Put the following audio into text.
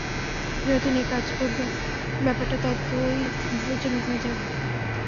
যতদিন একাজ করবে, ব্যাপারটা ততোই বিপজ্জনক হয়ে যাবে।